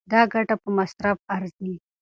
دا ګټه په مصرف ارزي.